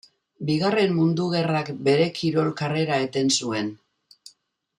Bigarren Mundu Gerrak bere kirol karrera eten zuen.